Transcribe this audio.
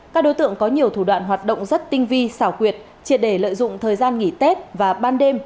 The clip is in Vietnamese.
các đối tượng có nhiều thủ đoạn hoạt động rất tinh vi xảo quyệt triệt để lợi dụng thời gian nghỉ tết và ban đêm